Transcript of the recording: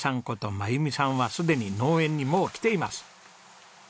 こと真弓さんはすでに農園にもう来ています。